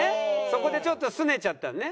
そこでちょっとすねちゃったのね。